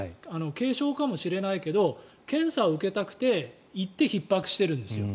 軽症かもしれないけど検査を受けたくて行ってひっ迫しているんですよ。